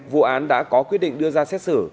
vụ án đã có quyết định đưa ra xét xử